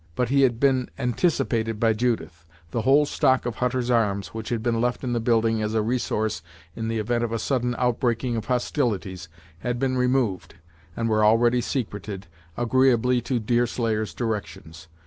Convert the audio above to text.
But he had been anticipated by Judith. The whole stock of Hutter's arms, which had been left in the building as a resource in the event of a sudden outbreaking of hostilities, had been removed, and were already secreted, agreeably to Deerslayer's directions.